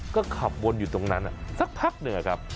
ก็ขับบนอยู่ตรงนั้นอ่ะสักพักเลยครับ